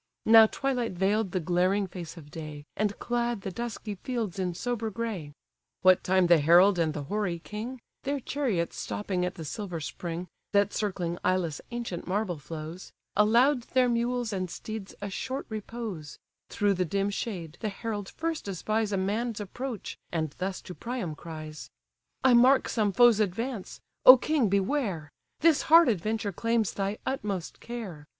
Now twilight veil'd the glaring face of day, And clad the dusky fields in sober grey; What time the herald and the hoary king (Their chariots stopping at the silver spring, That circling Ilus' ancient marble flows) Allow'd their mules and steeds a short repose, Through the dim shade the herald first espies A man's approach, and thus to Priam cries: "I mark some foe's advance: O king! beware; This hard adventure claims thy utmost care!